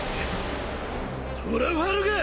トラファルガー！